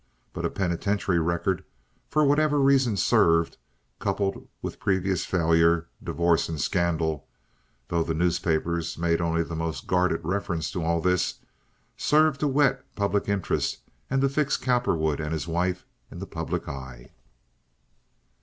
But a penitentiary record, for whatever reason served, coupled with previous failure, divorce, and scandal (though the newspapers made only the most guarded reference to all this), served to whet public interest and to fix Cowperwood and his wife in the public eye.